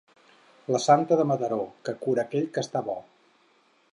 La Santa de Mataró, que cura aquell que està bo.